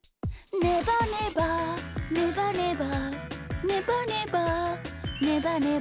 「ねばねばねばねば」「ねばねばねば」